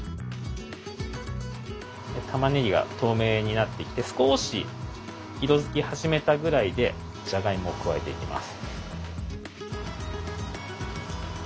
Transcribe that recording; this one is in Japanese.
たまねぎが透明になってきて少し色づき始めたぐらいでじゃがいもを加えていきます。